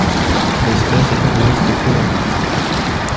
L'espèce est endémique de Colombie.